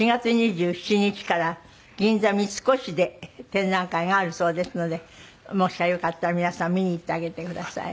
４月２７日から銀座三越で展覧会があるそうですのでもしよかったら皆さん見に行ってあげてください。